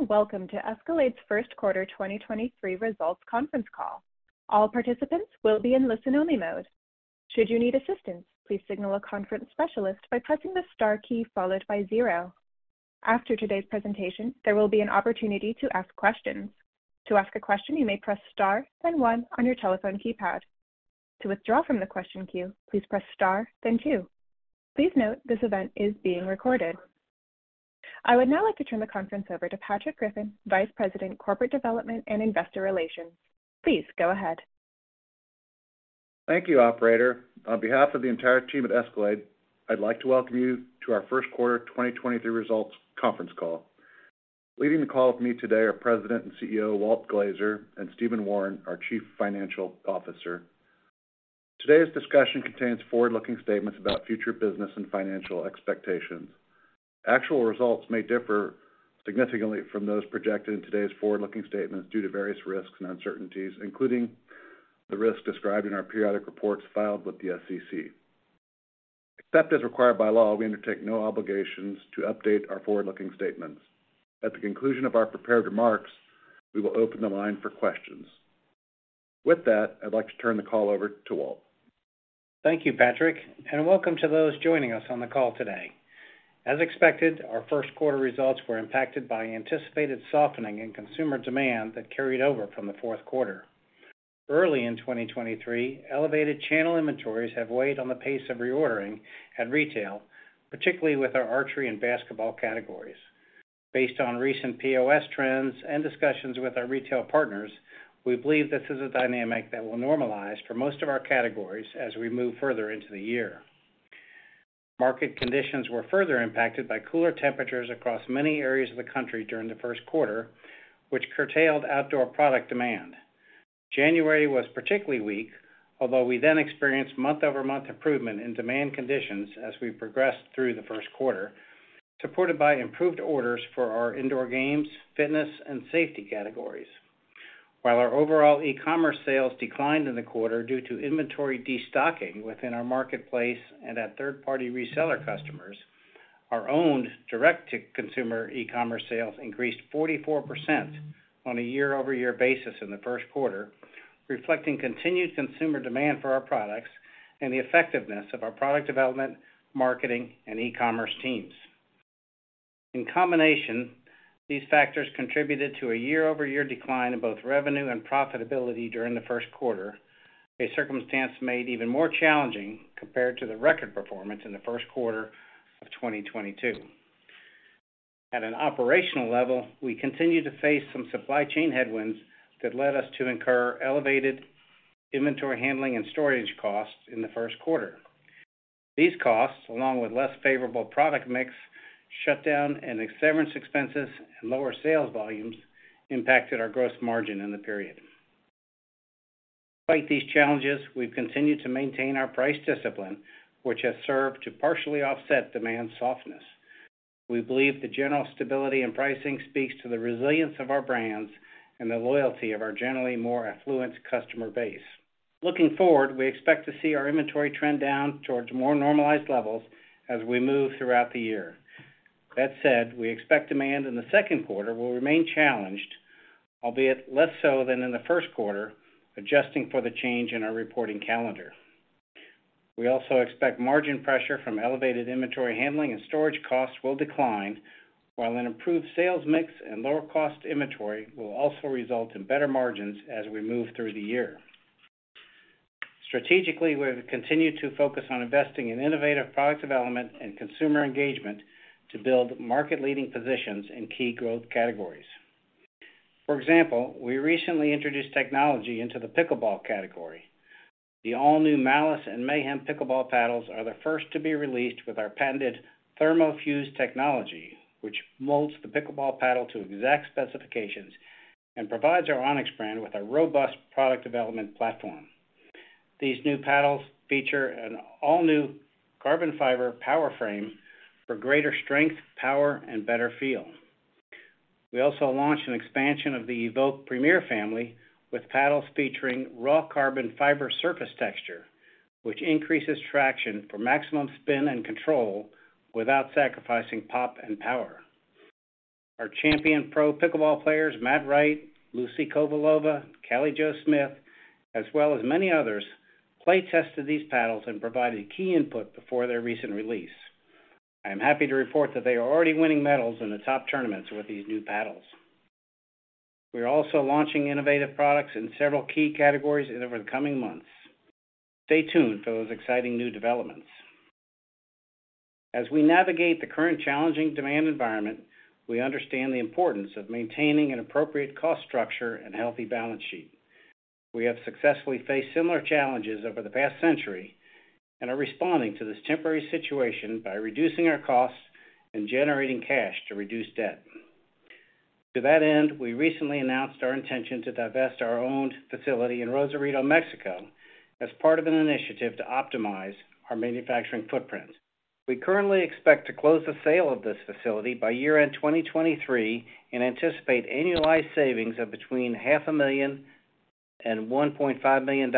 Hello, and welcome to Escalade's first quarter 2023 results conference call. All participants will be in listen-only mode. Should you need assistance, please signal a conference specialist by pressing the star key followed by zero. After today's presentation, there will be an opportunity to ask questions. To ask a question, you may press star, then one on your telephone keypad. To withdraw from the question queue, please press star, then two. Please note this event is being recorded. I would now like to turn the conference over to Patrick Griffin, Vice President, Corporate Development and Investor Relations. Please go ahead. Thank you, operator. On behalf of the entire team at Escalade, I'd like to welcome you to our 1st quarter 2023 results conference call. Leading the call with me today are President and CEO, Walt Glazer, and Stephen Wawrin, our Chief Financial Officer. Today's discussion contains forward-looking statements about future business and financial expectations. Actual results may differ significantly from those projected in today's forward-looking statements due to various risks and uncertainties, including the risks described in our periodic reports filed with the SEC. Except as required by law, we undertake no obligations to update our forward-looking statements. At the conclusion of our prepared remarks, we will open the line for questions. With that, I'd like to turn the call over to Walt. Thank you, Patrick. Welcome to those joining us on the call today. As expected, our first quarter results were impacted by anticipated softening in consumer demand that carried over from the fourth quarter. Early in 2023, elevated channel inventories have weighed on the pace of reordering at retail, particularly with our archery and basketball categories. Based on recent POS trends and discussions with our retail partners, we believe this is a dynamic that will normalize for most of our categories as we move further into the year. Market conditions were further impacted by cooler temperatures across many areas of the country during the first quarter, which curtailed outdoor product demand. January was particularly weak, although we then experienced month-over-month improvement in demand conditions as we progressed through the first quarter, supported by improved orders for our indoor games, fitness, and safety categories. While our overall e-commerce sales declined in the quarter due to inventory destocking within our marketplace and at third-party reseller customers, our owned direct-to-consumer e-commerce sales increased 44% on a year-over-year basis in the first quarter, reflecting continued consumer demand for our products and the effectiveness of our product development, marketing, and e-commerce teams. In combination, these factors contributed to a year-over-year decline in both revenue and profitability during the first quarter, a circumstance made even more challenging compared to the record performance in the first quarter of 2022. At an operational level, we continue to face some supply chain headwinds that led us to incur elevated inventory handling and storage costs in the first quarter. These costs, along with less favorable product mix, shutdown and severance expenses, and lower sales volumes impacted our gross margin in the period. Despite these challenges, we've continued to maintain our price discipline, which has served to partially offset demand softness. We believe the general stability in pricing speaks to the resilience of our brands and the loyalty of our generally more affluent customer base. Looking forward, we expect to see our inventory trend down towards more normalized levels as we move throughout the year. That said, we expect demand in the second quarter will remain challenged, albeit less so than in the first quarter, adjusting for the change in our reporting calendar. We also expect margin pressure from elevated inventory handling and storage costs will decline, while an improved sales mix and lower cost inventory will also result in better margins as we move through the year. Strategically, we have continued to focus on investing in innovative product development and consumer engagement to build market-leading positions in key growth categories. For example, we recently introduced technology into the pickleball category. The all-new Malice and Mayhem pickleball paddles are the first to be released with our patented ThermoFused technology, which molds the pickleball paddle to exact specifications and provides our ONIX brand with a robust product development platform. These new paddles feature an all-new carbon fiber power frame for greater strength, power, and better feel. We also launched an expansion of the Evoke Premier family with paddles featuring raw carbon fiber surface texture, which increases traction for maximum spin and control without sacrificing pop and power. Our champion pro pickleball players, Matt Wright, Lucy Kovalova, Callie Jo Smith, as well as many others, play-tested these paddles and provided key input before their recent release. I am happy to report that they are already winning medals in the top tournaments with these new paddles. We are also launching innovative products in several key categories over the coming months. Stay tuned for those exciting new developments. As we navigate the current challenging demand environment, we understand the importance of maintaining an appropriate cost structure and healthy balance sheet. We have successfully faced similar challenges over the past century and are responding to this temporary situation by reducing our costs and generating cash to reduce debt. To that end, we recently announced our intention to divest our owned facility in Rosarito, Mexico, as part of an initiative to optimize our manufacturing footprint. We currently expect to close the sale of this facility by year-end 2023 and anticipate annualized savings of between half a million and $1.5 million.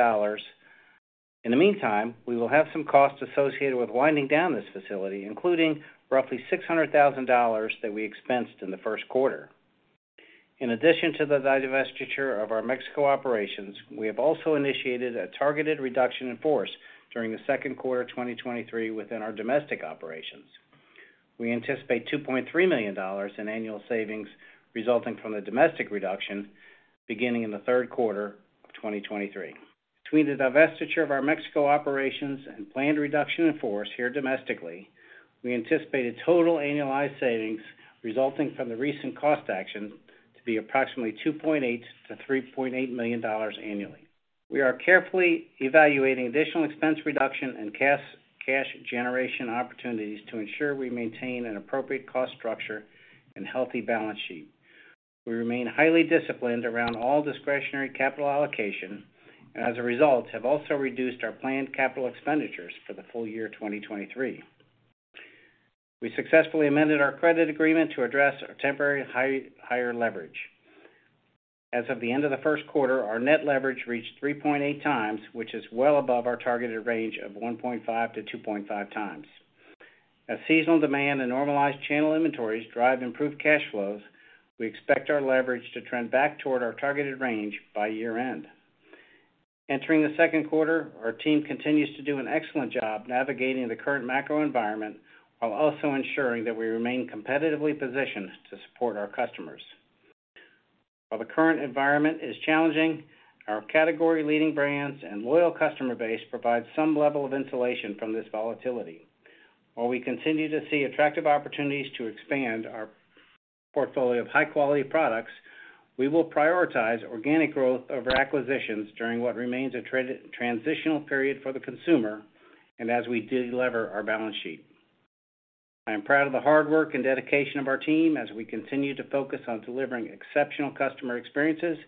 In the meantime, we will have some costs associated with winding down this facility, including roughly $600,000 that we expensed in the first quarter. In addition to the divestiture of our Mexico operations, we have also initiated a targeted reduction in force during the second quarter 2023 within our domestic operations. We anticipate $2.3 million in annual savings resulting from the domestic reduction beginning in the third quarter of 2023. Between the divestiture of our Mexico operations and planned reduction in force here domestically, we anticipate a total annualized savings resulting from the recent cost action to be approximately $2.8 million-$3.8 million annually. We are carefully evaluating additional expense reduction and cash generation opportunities to ensure we maintain an appropriate cost structure and healthy balance sheet. We remain highly disciplined around all discretionary capital allocation and as a result, have also reduced our planned capital expenditures for the full year 2023. We successfully amended our credit agreement to address our temporary higher leverage. As of the end of the first quarter, our net leverage reached 3.8x, which is well above our targeted range of 1.5x-2.5x. As seasonal demand and normalized channel inventories drive improved cash flows, we expect our leverage to trend back toward our targeted range by year-end. Entering the second quarter, our team continues to do an excellent job navigating the current macro environment while also ensuring that we remain competitively positioned to support our customers. While the current environment is challenging, our category-leading brands and loyal customer base provides some level of insulation from this volatility. While we continue to see attractive opportunities to expand our portfolio of high-quality products, we will prioritize organic growth over acquisitions during what remains a transitional period for the consumer and as we delever our balance sheet. I am proud of the hard work and dedication of our team as we continue to focus on delivering exceptional customer experiences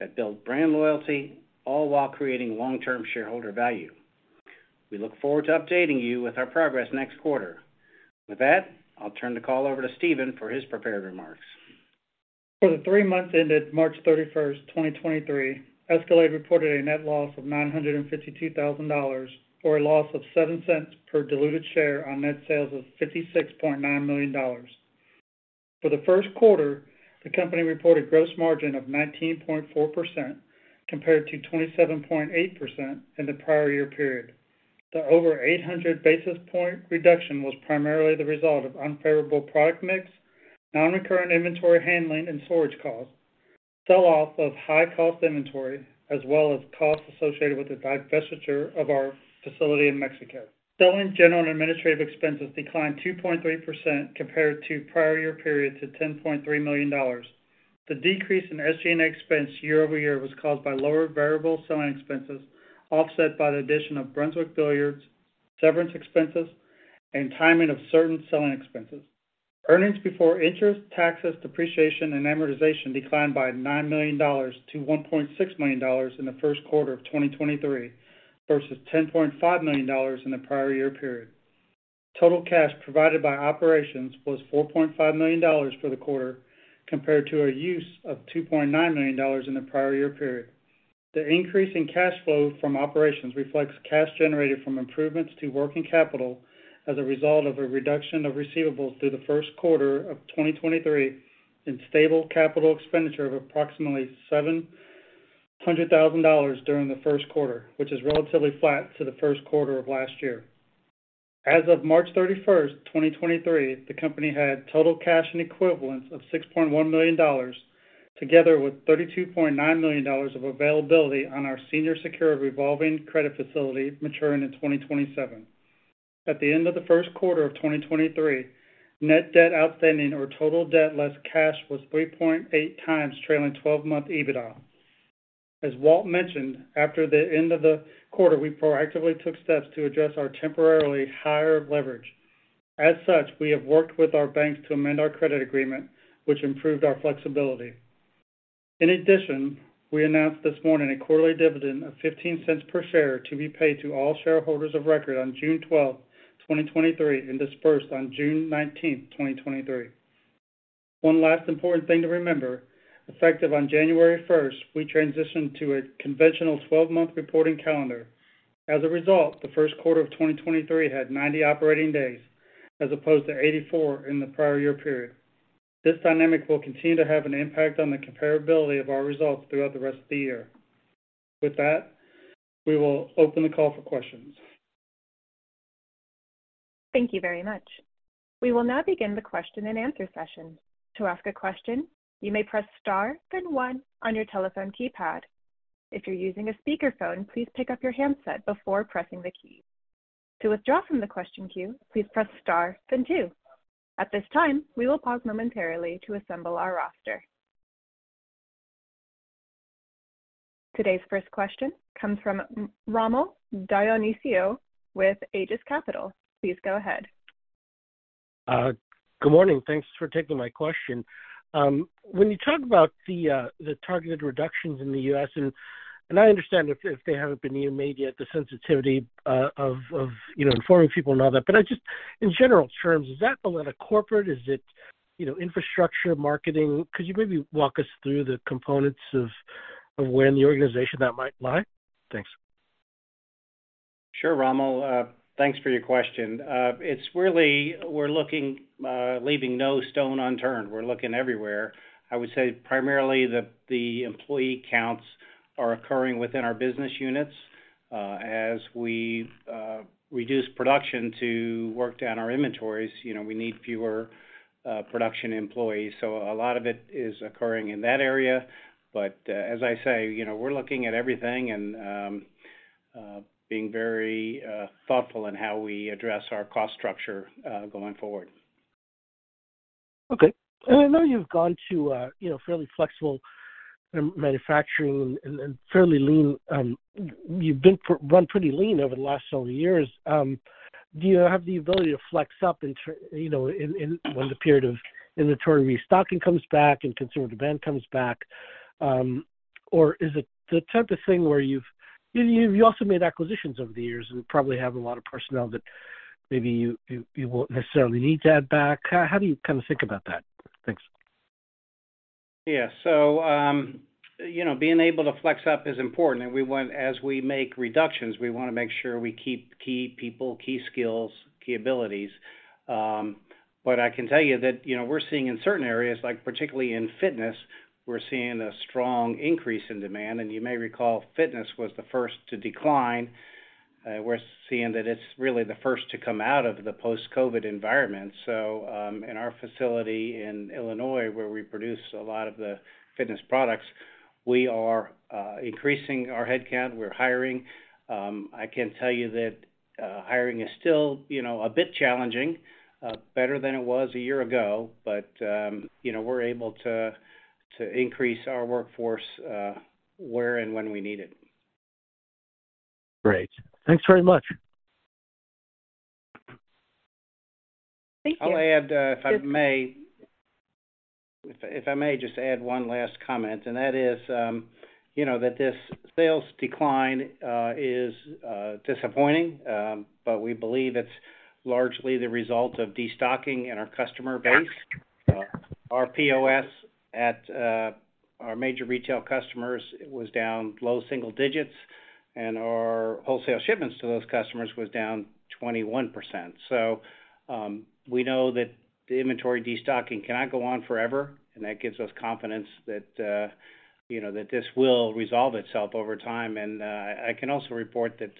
that build brand loyalty, all while creating long-term shareholder value. We look forward to updating you with our progress next quarter. With that, I'll turn the call over to Stephen for his prepared remarks. For the three months ended March 31st, 2023, Escalade reported a net loss of $952,000, or a loss of $0.07 per diluted share on net sales of $56.9 million. For the first quarter, the company reported gross margin of 19.4% compared to 27.8% in the prior year period. The over 800 basis point reduction was primarily the result of unfavorable product mix, non-recurrent inventory handling and storage costs, sell-off of high-cost inventory, as well as costs associated with the divestiture of our facility in Mexico. Selling general and administrative expenses declined 2.3% compared to prior year period to $10.3 million. The decrease in SG&A expense year-over-year was caused by lower variable selling expenses, offset by the addition of Brunswick Billiards, severance expenses, and timing of certain selling expenses. Earnings before interest, taxes, depreciation, and amortization declined by $9 million-$1.6 million in the first quarter of 2023 versus $10.5 million in the prior year period. Total cash provided by operations was $4.5 million for the quarter, compared to a use of $2.9 million in the prior year period. The increase in cash flow from operations reflects cash generated from improvements to working capital as a result of a reduction of receivables through the first quarter of 2023 and stable capital expenditure of approximately $700,000 during the first quarter, which is relatively flat to the first quarter of last year. As of March 31, 2023, the company had total cash and equivalents of $6.1 million, together with $32.9 million of availability on our senior secured revolving credit facility maturing in 2027. At the end of the first quarter of 2023, net debt outstanding or total debt less cash was 3.8x trailing 12-month EBITDA. As Walt mentioned, after the end of the quarter, we proactively took steps to address our temporarily higher leverage. We have worked with our banks to amend our credit agreement, which improved our flexibility. We announced this morning a quarterly dividend of $0.15 per share to be paid to all shareholders of record on June 12, 2023 and dispersed on June 19, 2023. One last important thing to remember: Effective on January 1st, we transitioned to a conventional 12-month reporting calendar. As a result, the first quarter of 2023 had 90 operating days as opposed to 84 in the prior year period. This dynamic will continue to have an impact on the comparability of our results throughout the rest of the year. With that, we will open the call for questions. Thank you very much. We will now begin the question and answer session. To ask a question, you may press star then one on your telephone keypad. If you're using a speaker phone, please pick up your handset before pressing the key. To withdraw from the question queue, please press star then two. At this time, we will pause momentarily to assemble our roster. Today's first question comes from Rommel Dionisio with Aegis Capital. Please go ahead. Good morning. Thanks for taking my question. When you talk about the targeted reductions in the U.S. and I understand if they haven't been made yet, the sensitivity of, you know, informing people and all that. I just in general terms, is that a lot of corporate? Is it, you know, infrastructure, marketing? Could you maybe walk us through the components of where in the organization that might lie? Thanks. Sure, Rommel. Thanks for your question. It's really we're looking, leaving no stone unturned. We're looking everywhere. I would say primarily the employee counts are occurring within our business units. As we reduce production to work down our inventories, you know, we need fewer production employees. A lot of it is occurring in that area. As I say, you know, we're looking at everything and being very thoughtful in how we address our cost structure going forward. Okay. I know you've gone to, you know, fairly flexible manufacturing and fairly lean. You've run pretty lean over the last several years. Do you have the ability to flex up, you know, when the period of inventory restocking comes back and consumer demand comes back? Or is it the type of thing where you've also made acquisitions over the years and probably have a lot of personnel that maybe you won't necessarily need to add back. How do you kinda think about that? Thanks. Yeah. you know, being able to flex up is important, and as we make reductions, we wanna make sure we keep key people, key skills, key abilities. But I can tell you that, you know, we're seeing in certain areas, like particularly in fitness, we're seeing a strong increase in demand. You may recall, fitness was the first to decline. We're seeing that it's really the first to come out of the post-COVID environment. In our facility in Illinois, where we produce a lot of the fitness products, we are increasing our headcount. We're hiring. I can tell you that, hiring is still, you know, a bit challenging. Better than it was a year ago, but, you know, we're able to increase our workforce, where and when we need it. Great. Thanks very much. Thank you. I'll add, if I may. If I may just add one last comment, and that is, you know, that this sales decline is disappointing, but we believe it's largely the result of destocking in our customer base. Our POS at our major retail customers was down low single digits, and our wholesale shipments to those customers was down 21%. We know that the inventory destocking cannot go on forever, and that gives us confidence that, you know, that this will resolve itself over time. I can also report that,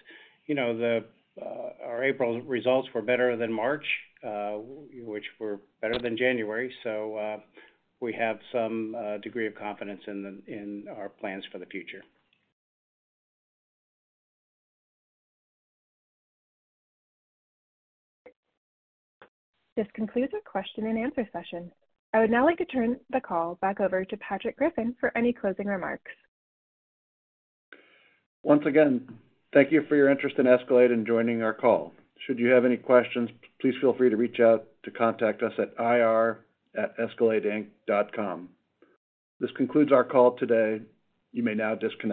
you know, our April results were better than March, which were better than January. We have some degree of confidence in our plans for the future. This concludes our question and answer session. I would now like to turn the call back over to Patrick Griffin for any closing remarks. Once again, thank you for your interest in Escalade and joining our call. Should you have any questions, please feel free to reach out to contact us at ir@escaladeinc.com. This concludes our call today. You may now disconnect.